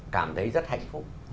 cảm thấy rất hạnh phúc